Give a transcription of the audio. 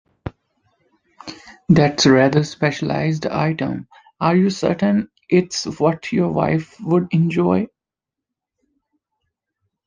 That's a rather specialised item, are you certain it's what your wife would enjoy?